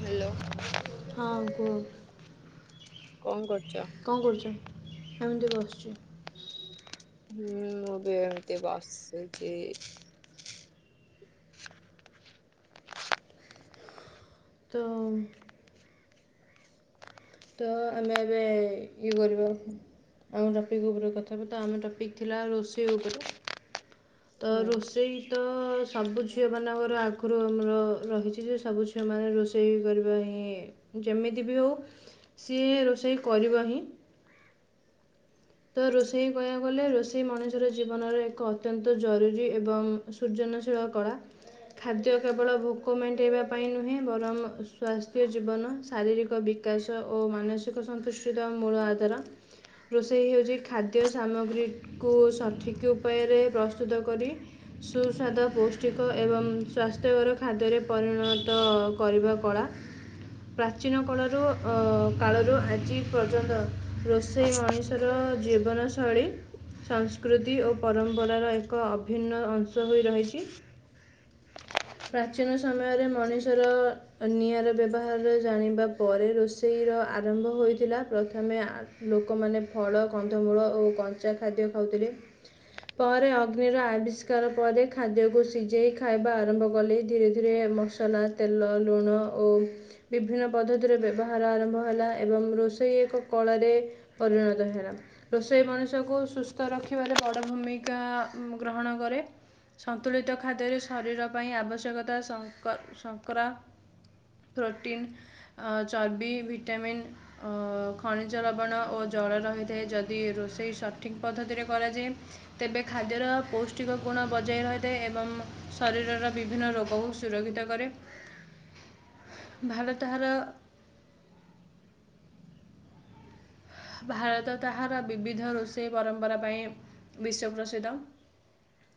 Hello ହଁ କୁ କଣ କରୁଛ? କଣ କରୁଛ ଆମେ ଏଠି ବସୁଛୁ ହୁଁ ମୁଁ ବି ଏମିତି ବସିଛି। ତ ତ ଆମେ ଏବେ ଇଏ କରିବା ଆମ ଟପିକ୍ ଉପରେ କଥାହବା ତ ଆମ ଟପିକ୍ ଥିଲା ରୋଷେଇ ଉପରେ ତ ହୁଁ। ରୋଷେଇ ତ ସବୁ ଝିଅ ମାନଙ୍କର ଆଗରୁ ଆମର ରହିଛି ଯେ ସବୁ ଝିଅ ମାନ ରୋଷେଇ ରୋଷେଇ କରିବା ହିଁ ଯେମିତି ବି ହେଉ ସିଏ ରୋଷେଇ କରିବା ହିଁ ତ ରୋଷେଇ କହିବାକୁ ଗଲେ ରୋଷେଇ ମଣିଷର ଜୀବନର ଏକ ଅତ୍ୟନ୍ତ ଜରୁରୀ ଏବଂ ସୃଜନଶୀଳ କଳା। ଖାଦ୍ୟ କେବଳ ଭୋକ ମେଣ୍ଟାଇବା ପାଇଁ ନୁହେଁ ବରଂ ସ୍ୱାସ୍ଥ୍ୟ ଜୀବନ ଶାରୀରିକ ବି ବିକାଶ ଓ ମାନସିକ ସନ୍ତୁଷ୍ଟିର ମୂଳ ଆଧାର ସେ ହେଉଛି ଖାଦ୍ୟ ସାମଗ୍ରୀକୁ ସଠିକ୍ ଉପାୟରେ ପ୍ରସ୍ତୁତ କରି ସୁସ୍ୱାଦ ପୌଷ୍ଟିକ ଏବଂ ସ୍ୱାସ୍ଥ୍ୟକର ଖାଦ୍ୟରେ ପରିଣତ କରିବା କଳା ପ୍ରାଚୀନ କାଳରୁ ଅ କାଳରୁ ଆଜି ପର୍ଯ୍ୟନ୍ତ ରୋଷେଇ ମଣିଷ ର ଜୀବନ ଶୈଳୀ ସଂସ୍କୃତି ଓ ପରମ୍ପରାର ଏକ ଅଭିନ୍ନ ଅଂଶ ହୋଇ ରହିଛି [inaudible] ପ୍ରାଚୀନ ସମୟରେ ମଣିଷର ନିଆଁର ବ୍ୟବହାର ଜାଣିବା ପରେ ରୋଷେଇର ଆରମ୍ଭ ହୋଇଥିଲା ପ୍ରଥମେ ଆ ଲୋକମାନେ ଫଳ କନ୍ଧମୂଳ ଓ କଞ୍ଚା ଖାଦ୍ୟ ଖାଉଥିଲେ ପରେ ଅଗ୍ନିର ଆବିଷ୍କାର ପରେ ଖାଦ୍ୟକୁ ସିଝେଇ ଖାଇବା ଆରମ୍ଭ କଲେ ଧୀରେ ଧୀରେ ମ ମସଲା ତେଲ ଲୁଣ ଓ ବିଭିନ୍ନ ପଦ୍ଧତିରେ ବ୍ୟବହାର ଆରମ୍ଭ ହେଲା ଏବଂ ରୋଷେଇ ଏକ କଳାରେ ପରିଣତ ହେଲା ହେରା ରୋଷେଇ ମଣିଷକୁ ସୁସ୍ଥ ରଖିବାରେ ବଡ ଭୂମିକା ଗ୍ରହଣ କରେ। ସନ୍ତୁଳିତ ଖାଦ୍ୟରେ ଶରୀର ପାଇଁ ଆବଶ୍ୟକତା ଶଙ୍କ ଶଙ୍କରା ପ୍ରୋଟିନ୍ ଅ ଚର୍ବି ଭିଟାମନ୍ ଖଣିଜ ଲବଣ ଓ ଜଳ ରହି ତେ ଯଦି ରୋଷେଇ ସଠିକ ପଦ୍ଧତିରେ କରାଯାଏ ତେବେ ଖାଦ୍ୟର ପୌ ପୌଷ୍ଟିକ ଗୋଣ ବଜାୟ ରହିଥାେଏ ଏବଂ ଶରୀରର ବିଭିନ୍ନ ରୋଗକୁ ସୁରକ୍ଷିତ କରେ। ହୁଁ ଭାର ତାହାର ଭାରତ ତାହାର ବିବିଧ ରୋଷେଇ ପରମ୍ପରା ପାଇଁ ବିଶ୍ଵ ପ୍ରସିଦ୍ଧ।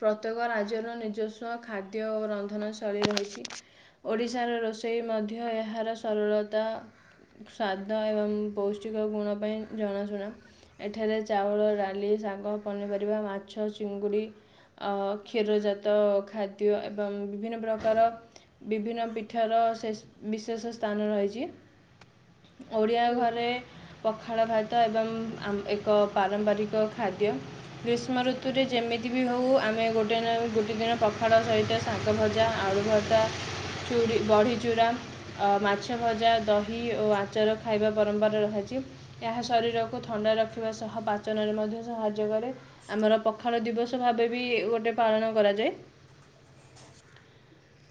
ପ୍ରତ୍ୟେକ ରାଜ୍ୟର ନିଜସ୍ୱ ଖାଦ୍ୟ ଓ ରନ୍ଧନ ଶୈଳୀ ରହିଛି। ଓଡ଼ିଶାର ରୋଷେଇ ମଧ୍ୟ ଏହାର ସରଳତା ସ୍ଵାଦ ଏବଂ ପୌଷ୍ଟିକ ଗୁଣ ପାଇଁ ଜଣାଶୁଣା। ଏଠାରେ ଚାଉଳ ରା ଲି, ଶାଗ, ପନିପରିବା, ମାଛ, ଚିଙ୍ଗୁଡ଼ି, ଆ କ୍ଷୀର ଜାତ ଖା ତୀୟ ଏବଂ ବିଭିନ୍ନ ପ୍ରକାର, ବିଭିନ୍ନ ପିଠାର ଶେଷ୍ ବିଶେଷ ସ୍ଥାନ ରହିଛି। ଓଡ଼ିଆ ହୁଁ ଘରେ ପଖାଳ ଭାତ୍ ତ ଏବଂ ଏକ ଆମ୍ ପାରମ୍ପରିକ ଖାଦ୍ୟ ଗ୍ରୀଷ୍ମ ଋତୁରେ ଯେମିତି ବି ହେଉ, ଆମେ ଗୋଟେ ନା ଗୋଟେ ଦିନ ପଖାଳ ସହିତ ଶାଗଭଜା, ଆଳୁଭର୍ତ୍ତା, ଚୁଡ଼ି ବଢ଼ିଚୂୁରା ଅ ମାଛଭଜା, ଦହି ଓ ଆଚାର ଖାଇବା ପରମ୍ପରା ରହାଛି। ଏହାସ ଶରୀରକୁ ଥଣ୍ଡା ରଖିବା ସହ, ପାଚନରେ ମଧ୍ୟ ସାହାଯ୍ୟ କରେ। ଆମର ପଖାଳ ଦିବସ ଭାବେ ବି, ଗୋଟେ ପାଳନ କରାଯାଏ।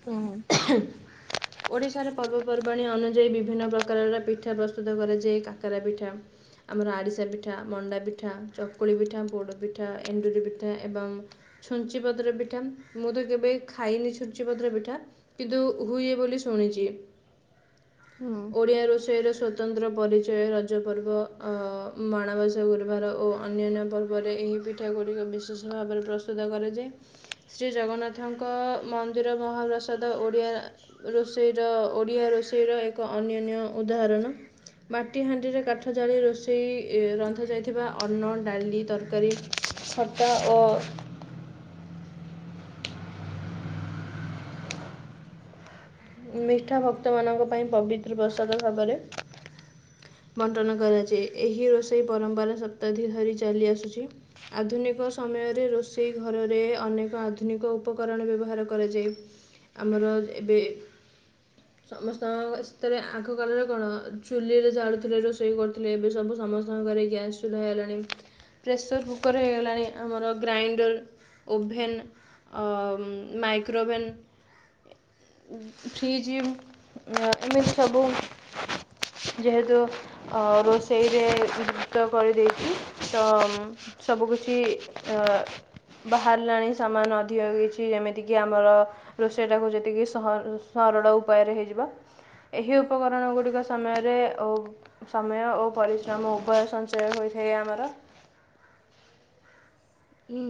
ହୁଁ। ହ [inaudible] ଓଡିଶାର ପର୍ବପର୍ବାଣୀ ଅନୁଯାୟୀ ବିଭିନ୍ନ ପ୍ରକାରର ପିଠା ପ୍ରସ୍ତୁତ କରାଯାଏ। କାକରା ପିଠା ଆମର ଆରିଶା ପିଠା, ମଣ୍ଡା ପିଠା, ଚକୁଳି ପିଠା, ପୋଡ଼ ପିଠା, ଏଣ୍ଡୁରି ପିଠା ଏବଂ ଛୁଞ୍ଚି ପତ୍ର ପିଠା, ମୁଁ ତ କେବେ ଖାଇନି ଛୁଞ୍ଚି ପତ୍ର ପିଠା? କିନ୍ତୁ ହୁଏ, ବୋଲି ଶୁଣିଛି। ହୁଁ ଓଡିଆ ରୋଷେଇର ସୋ ତନ୍ତ୍ର ପରିଚୟ। ରଜପର୍ବ ଅ-ଅ, ମାଣବସା ଗୁରୁବାର ଓ ଅନ୍ୟାନ୍ୟ ପର୍ବରେ ଏହି ପିଠ୍ ପିଠା ଗୁଡ଼ିକ ବିଶେଷ ଭାବରେ ପ୍ରସ୍ତୁତ କରାଯାଏ। ଶ୍ରୀ ଜଗନ୍ନାଥଙ୍କ ମନ୍ଦିର ମହାପ୍ରସ୍ ସ୍ୱାଦ ଓଡ଼ିଆ ରୋଷେଇର, ଓଡ଼ିଆ ରୋଷେଇର ଏକ ଅନ୍ୟାନ୍ୟ ଉଦାହରଣ। ମାଟି ହାଣ୍ଡିରେ କାଠ ଜାଳି ରୋଷେଇ-ଇ ରନ୍ଧାଯାଇଥିବା ଅନ୍ନ, ଡାଲି, ତରକାରୀ। ଖଟା ଓ ମିଠା ଭକ୍ତ ମାନଙ୍କ ପାଇଁ ପବିତ୍ର ପ୍ରସାଦ ଭାବରେ। ବଣ୍ଟନ କରାଯାଏ। ଏହି ରୋଷେଇ ପରମ୍ପରା ଶତାବ୍ଦୀ ଧରି ଚାଲି ଆସୁଛି। ଆଧୁନିକ ସମୟରେ, ରୋଷେଇ ଘରରେ ଅନେକ ଆଧୁନିକ ଉପକରଣ ବ୍ୟବହାର କରାଯାଏ। ଆମର ଏବେ। ସମସ୍ତଙ୍କ, ସେଥିରେ ଆଘ କାଳର କଣ, ଚୁଲିରେ ଜାଳୁ ଚୁଲିରେ ରୋଷେଇ କରୁଥିଲେ। ଏବେ ସବୁ ସମସ୍ତଙ୍କ ଘରେ ଗ୍ୟାସ୍ ଚୁହ୍ଲା ହେଲାଣି। ପ୍ରେସର୍ କୁକର୍ ହେଇଗଲାଣି। ଆମର ଗ୍ରାଇଣ୍ଡର୍, ଓଭେନ୍ ଅ-ଅ ମାଇକ୍ରୋଭେନ୍। ଉଁ ଫ୍ରିଜ୍ଉଁ ଏମିତି ସବୁ ଯେହେତୁ, ଅ ରୋଷେଇରେ ଦ୍ରୁତ କରିଦେଇଛି। ତମ୍ ସବୁ କିଛି ଅ ବାହାରିଲାଣି ସାମାନ ଅଧିକ କିଛି, ଯେମିତି କିି ଆମର ରୋଷେଇ ଟାକୁ ଯେତିକି ସହ, ସରଳ ଉପାୟରେ ହେଇଯିବ ଏହି ଉପକରଣ ଗୁଡ଼ିକ ସମୟରେ ଓବ୍ ସମୟ ଓ ପରିଶ୍ରମ ଉଭୟ ସଞ୍ଚୟ ହୋଇଥାଏ ଆମର। ଉଁ।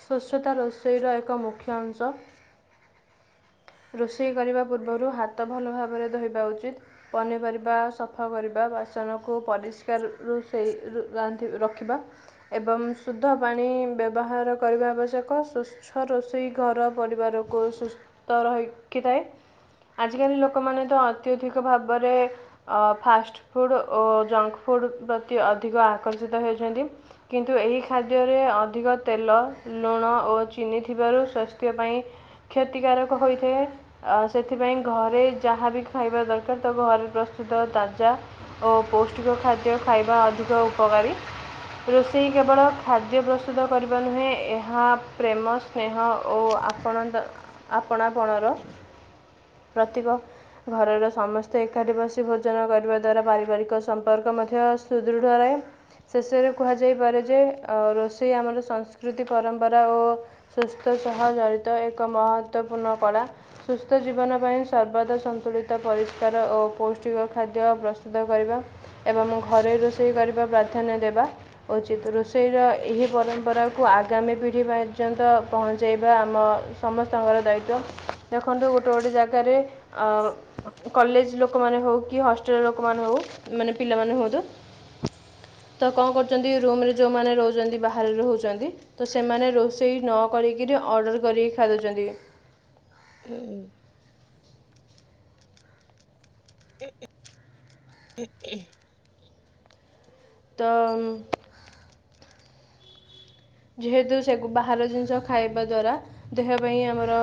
ସ୍ୱଚ୍ଛତା ରୋଷେଇର ଏକ ମୁଖ୍ୟ ଅଂଶ। ରୋଷେଇ କରିବା ପୂର୍ବରୁ, ହାତ ଭଲ ଭାବରେ ଧୋଇବା ଉଚିତ୍। ପନିପରିବା ସଫା କରିବା, ବାସନକୁ ପରିଷ୍କାର, ରୁ-ଷେ-ଇ ରାନ୍ଧି ରଖିବା। ଏବଂ ଶୁଦ୍ଧ ପାଣି ବ୍ୟବହାର କରିବା ଆବଶ୍ୟକ। ସୁସ୍ ସ ରୋଷେଇ ଘର ପରିବାରକୁ ସୁସ୍ଥ ରହିଖିଥାଏ। ଆଜିକାଲି ଲୋକମାନେ ତ ଅତ୍ୟଧିକ ଭାବରେ ଅ ଫାଷ୍ଟ ଫୁଡ଼୍ ଓ ଜଙ୍କ୍ ଫୁଡ଼୍ ପ୍ରତି ଅଧିକ ଆକର୍ଷିତ ହେଉଛନ୍ତି। କିନ୍ତୁ ଏହି ଖାଦ୍ୟରେ ଅଧିକ ତେଲ, ଲୁଣ ଓ ଚିନି ଥିବାରୁ ସ୍ୱାସ୍ଥ୍ୟ ପାଇଁ କ୍ଷତିକାରକ ହୋଇଥାଏ‌। ଅ ସେଥିପାଇଁ ଘରେ ଯାହାବି ଖାଇବା ଦରକାର, ତ ଘରେ ପ୍ରସ୍ତୁତ ତାଜା ଓ ପୌଷ୍ଟିକ ଖାଦ୍ୟ ଖାଇବା ଅଧିକ ଉପକାରୀ। ରୋଷେଇ କେବଳ ଖାଦ୍ୟ ପ୍ରସ୍ତୁତ କରିବା ନୁହେଁ ଏହା ପ୍ରେମସ୍ ସ୍ନେହ ଓ ଆପଣ ଦ ଆପଣାପଣର ପ୍ରତୀକ। ଘରର ସମସ୍ତେ ଏକାଠି ବସି ଭୋଜନ କରିବା ଦ୍ଵାରା ପାରିବାରିକ ସମ୍ପର୍କ ମଧ୍ୟ ସୁଦୃଢ଼ ରହେ। ଶେଷରେ କୁହାଯାଇପାରେ ଯେ ଅ ରୋଷେଇ ଆମର ସଂସ୍କୃତି ପରମ୍ପରା ଓ ସୁସ୍ଥ ସହ ଜଡ଼ିତ ଏକ ମହତ୍ଵପୂର୍ଣ୍ଣ କଳା। ସୁସ୍ଥ ଜୀବନ ପାଇଁ ସର୍ବଦା ସନ୍ତୁଳିତ ପରିଷ୍କାର ଓ ପୌଷ୍ଟିକ ଖାଦ୍ୟ ପ୍ରସ୍ତୁତ କରିବା‌। ଏବଂ ମୁଁ ଘରେ ରୋଷେଇ କରିବା ପ୍ରାଧାନ୍ୟ ଦେବା। ଉଚିତ ରୋଷେଇର ଏହି ପରମ୍ପରାକୁ ଆଗାମୀ ପିଢ଼ି ପର୍ଯ୍ୟନ୍ତ ପହଞ୍ଚାଇବା ଆମ ସମସ୍ତଙ୍କର ଦାୟିତ୍ୱ ଦେଖନ୍ତୁ ଗୋଟେ ଗୋଟେ ଜାଗାରେ ଆ କଲେଜ ଲୋକମାନେ ହୋଉ କି ହଷ୍ଟେଲ ଲୋକମାନେ ହୋଉ ମାନେ ପିଲାମାନେ ହୁଅନ୍ତୁ ତ କଣ କରୁଚନ୍ତି ରୁମରେ ଯେଉଁମାନେ ରହୁଚନ୍ତି ବାହାରେ ରହୁଚନ୍ତି ତ ସେମାନେ ରୋଷେଇ ନ କରିକିରି ଅର୍ଡ଼ର କରିକି ଖାଇଦୋଉଚନ୍ତି। ଏ ଉଁ ଉଁ ଉଁ ଉଁ। ତ ଯେହେତୁ ସେଗୁ-ବାହାର ଜିନିଷ ଖାଇବା ଦ୍ୱାରା ଦେହ ପାଇଁ ଆମର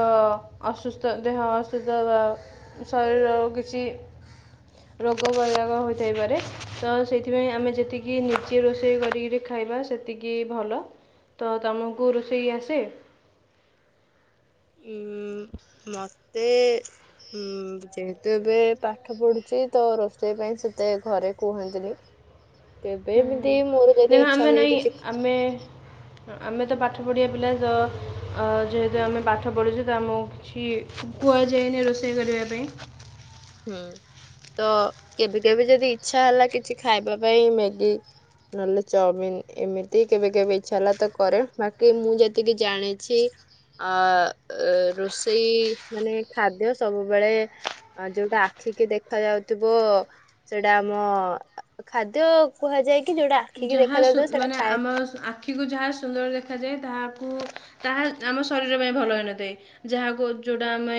ଅସୁସ୍ଥ ଦେହ ଅସୁସ୍ଥ ବା ଶରୀର କିଛି [inaudible] ରୋଗ ବୈାରାଗ ହୋଇଥାଇପାରେ ତ ସେଇଥିପାଇଁ ଆମେ ଯେତିକି ନିଜେ ରୋଷେଇ କରିକିରି ଖାଇବା ସେ ତିକି ଭଲ ତ ତମକୁ ରୋଷେଇ ଆସେ? ଉଁ ମତେ ହୁଁ ଯେହେତୁ ଏବେ ପାଠ ପଢୁଚେ ତ ରୋଷେଇ ପାଇଁ ସେତେ ଘରେ କୁହନ୍ତିନି। କେବେ ଏମିତି ମୋର ଦେଖ ଯଦି ଇଚ୍ଛା ଆମେ ହୁଏ ନାଇଁ କିଛି ଆମେ ହଁ ଆମେ ତ ପାଠ ପଢ଼ିବା ପିଲା ତ ଅ ଯେହେତୁ ଆମେ ପାଠ ପଢ଼ୁଚୁ ତ ଆମୁ କିଛି କୁହାଯାଏନି ରୋଷେଇ କରିବା ପାଇଁ। ହୁଁ ତ କେବେ କେବେ ଯଦି ଇଛା ହେଲା କିଛି ଖାଇବା ପାଇଁ ମ୍ୟାଗି ନହେଲେ ଚଅମିିନ ଏମିତି କେବେ କେବେ ଇଚ୍ଛା ହେଲା ତ କରେ ବାକି ମୁଁ ଯେତିକି ଜାଣିଛି ଅ ଅ ରୋଷେଇ ମାନେ ଖାଦ୍ୟ ସବୁବେଳେ ଆ ଯୋଉଟା ଆଖି କି ଦେଖାଯାଉଥିବ ସେଇଟା ଆମ ଖାଦ୍ୟ କୁହାଯାଏକି ଯଉଟା ଆଖିକି ଯାହା ସୁ- ଦେଖାଯାଉଥୁବ ସେଟା ମାନେ ଥାଏ। ଆମ ଆଖିକୁ ଯାହା ସୁନ୍ଦର ଦେଖାଯାଏ ତାହାକୁ ତାହା ଆମ ଶରୀର ପାଇଁ ଭଲ ହୋଇନଥାଏ। ଯାହାକୁ ଯୋଉଟା ଆମେ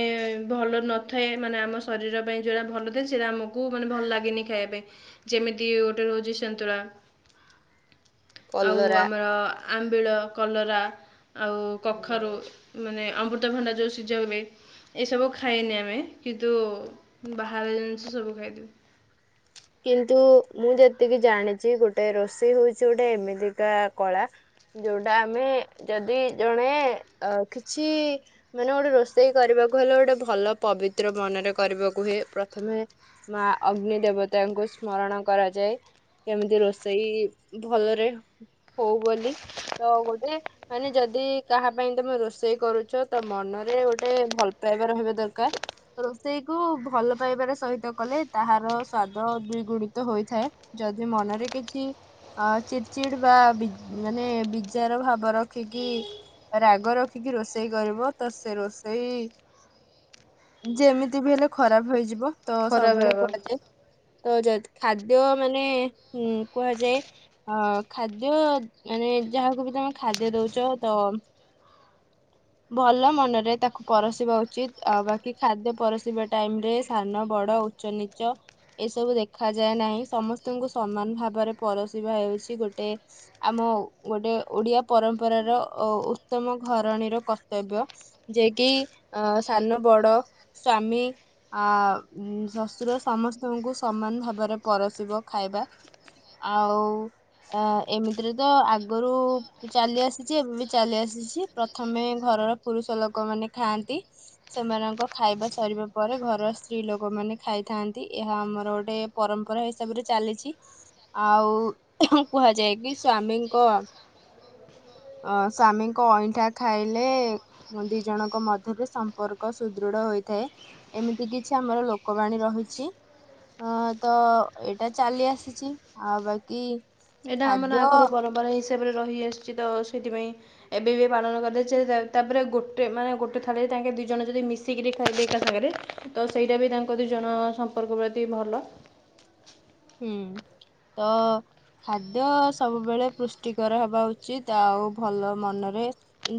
ଭଲ ନଥାଏ ମାନେ ଆମ ଶରୀର ପାଇଁ ଯୋଉଟା ଭଲ ଥାଏ ସେଟା ଆମ କୁ ମାନେ ଭଲ ଲାଗେନି ଖାଇବା ପାଇଁ ଯେମିତି ଗୋଟେ ରହୁଚି ସନ୍ତୁଳା। ଆଉ କଲରା ଆମର ଆମ୍ବିଳ କଲରା ଆଉ କଖାରୁ ମାନେ ଅମୃତଭଣ୍ଡା ଯୋଉ ସିଜା ହୁଏ ଏସବୁ ଖାଇନେ ଆମେ କିନ୍ତୁ ବାହାର ଜିନିଷ ସବୁ ଖାଇଦେବେ। କିନ୍ତୁ ମୁଁ ଯେତିକି ଜାଣିଚି ଗୋଟେ ରୋଷେଇ ହୋଉଚି ଗୋଟେ ଏମିତିକା କଳା ଯୋଉଟା ଆମେ ଯଦି ଜଣେ ଅ କିଛି ମାନେ ଗୋଟେ ରୋଷେଇ କରିବାକୁ ହେଲେ ଗୋଟେ ଭଲ ପବିତ୍ର ମନରେ କରିବାକୁ ହୁଏ ପ୍ରଥମେ ମା ଅଗ୍ନି ଦେବ ତାଙ୍କୁ ସ୍ମରଣ କରାଯାଏ କେମିତି ରୋଷେଇ ଭଲରେ ହୋଉ ବୋଲି ତ ଗୋଟେ ମାନେ ଯଦି କାହା ପାଇଁ ତମେ ରୋଷେଇ କରୁଛ ତ ମନରେ ଗୋଟେ ଭଲ ପାଇବା ରହିବା ଦରକାର। ରୋଷେଇକୁ ଭଲ ପାଇବାର ସହିତ କଲେ ତାହାର ସ୍ଵାଦ ଦ୍ୱିଗୁଣିତ ହୋଇଥାଏ ଯଦି ମନରେ କିଛି ଅ ଚିଡଚିଡ ବା ବି ମାନେ ବିଜାର ଭାବ ରଖିକି ରାଗ ରଖିକି ରୋଷେଇ କରିବ ତ ସେ ରୋଷେଇ ଯେମିତି ବି ହେଲେ ଖରାପ ହେଇଯିବ ତ ଖରାପ ସବୁବେଳେ ହେବ କୁହାଯାଏ। ତ ଯ ଖାଦ୍ୟ ମାନେ ଉ କୁହାଯାଏ। ହଁ ଖାଦ୍ୟ ମାନେ ଯାହାକୁ ବି ତମେ ଖାଦ୍ୟ ଦଉଛ ତ। ହ ଭଲ ମନରେ ତାକୁ ପରସିବା ଉଚିତ ଆ ବାକି ଖାଦ୍ୟ ପରସିବା ଟାଇମ ରେ ସାନ ବଡ ଉ ଉଚ ନିଚ ଏସବୁ ଦେଖାଯାଏ ନାହିଁ ସମସ୍ତଙ୍କୁ ସମାନ ଭାବରେ ପରସିବା ହେଉଛି ଗୋଟେ ଆମ ଗୋଟେ ଓଡିଆ ପରମ୍ପରାର ଅ ଉତ୍ତମ ଘରଣୀର କର୍ତ୍ତବ୍ୟ। ଯେ କିି ଅ ସାନ ବଡ ସ୍ଵାମୀ ଆ ଶୁଶୁର ସମସ୍ତ ତମକୁ ସମାନ ଭାବରେ ପରସିବ ଖାଇବା ଆଉ। ଅ ଏମିତିରେ ତ ଆଗରୁ ଚାଲି ଆସିଛି ଏବେ ବି ଚାଲି ଆସିଛି ପ୍ରଥମେ ଘରର। ପୁରୁଷ ଲୋକମାନେ ଖାଆନ୍ତି। ସେମାନଙ୍କ ଖାଇବା ସରିବା ପରେ ଘର ସ୍ତ୍ରୀ ଲୋକମାନେ ଖାଇଥାନ୍ତି। ଏହା ଆମର ଗୋଟେ ପରମ୍ପରା ହିସାବରେ ଚାଲିଛି। ଆଉ କୁହାଯାଏ କି ସ୍ଵାମୀଙ୍କ ଅ ସ୍ୱାମୀଙ୍କ ଅଇଁଠା ଖାଇଲେ ଦି ଜଣଙ୍କ ମଧ୍ୟରେ ସମ୍ପର୍କ ସୁଦୃଢ ହୋଇଥାଏ। ଏମିତି କିଛି ଆମର ଲୋକବାଣୀ ରହିଛି। ହଁ ତ ଏଇଟା ଚାଲି ଆସିଛି ଆଉ ବାକି ଏଇଟା ଆମର ଖାଦ୍ୟ ଆଗରୁ ପରମ୍ପରା ହିସାବରେ ରହିଆସିଛି ତ ସେଥିପାଇଁ। ଏବେ ବି ପାଳନ କରାଯାଏ ତାପରେ ଗୋଟେ ମାନେ ଗୋଟେ ଥାଳିରେ ତାଙ୍କେ ଦିଇ ଜଣ ଯଦି ମିଶିକିରି ଖାଇବେ ଏକା ସାଙ୍ଗରେ ତ ସେଇଟା ବି ତାଙ୍କ ଦିଇ ଜଣ ସମ୍ପର୍କ ପ୍ରତି ଭଲ। ହୁଁ ତ। ଖାଦ୍ୟ ସବୁବେଳେ ପୁଷ୍ଟିକର ହେବା ଉଚିତ, ଆଉ ଭଲ ମନରେ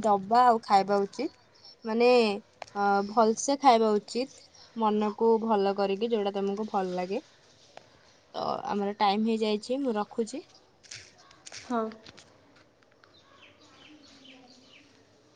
ଦବା ଆଉ ଖାଇବା ଉଚିତ ମାନେ ଅ ଭଲସେ ଖାଇବା ଉଚିତ। ମନକୁ ଭଲ କରିକି ଯୋଉଟା ତମକୁ ଭଲ ଲାଗେ। ତ ଆମର ଟାଇମ ହେଇଯାଇଛି, ମୁଁ ରଖୁଛି। ହଁ।